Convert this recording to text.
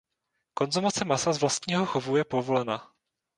Konzumace masa z vlastního chovu je povolena.